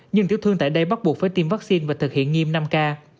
nhưng tiểu thương tại đây bắt buộc phải tiêm vaccine và thực hiện nghiêm năm k